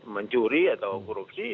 mencuri atau korupsi